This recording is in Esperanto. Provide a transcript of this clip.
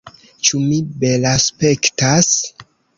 Ĉu mi belaspektas?